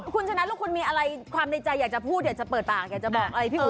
คุณชนะลูกคุณมีอะไรความในใจอยากจะพูดอยากจะเปิดปากอยากจะบอกอะไรพี่อุ๊